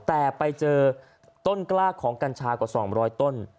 แต่ไปเจอต้นกล้าของกัญชากว่า๒๐๐ต้น